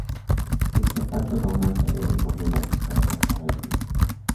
Mientras tanto, Donald se alegra y confirma que su carrera acaba de comenzar.